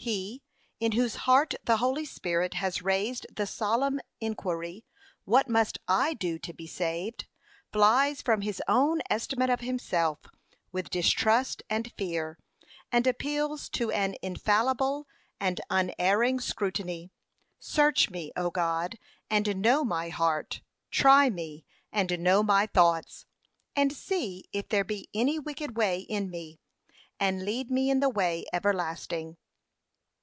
He, in whose heart the Holy Spirit has raised the solemn inquiry, What must I do to be saved?' flies from his own estimate of himself, with distrust and fear, and appeals to an infallible and unerring scrutiny. Search me, O God, and know my heart: try me, and know my thoughts: And see if there be any wicked way in me, and lead me in the way everlasting.'